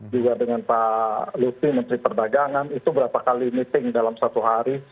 juga dengan pak lutfi menteri perdagangan itu berapa kali meeting dalam satu hari